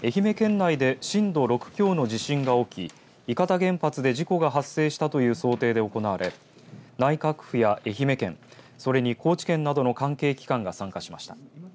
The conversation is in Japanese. この訓練は、愛媛県内で震度６強の地震が起き伊方原発で事故が発生したという想定で行われ内閣府や愛媛県それに高知県などの関係機関が参加しました。